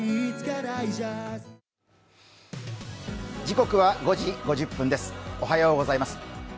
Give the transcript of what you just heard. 時刻は５時５０分です、おはようございます。